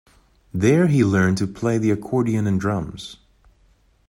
There he learned to play the accordion and drums.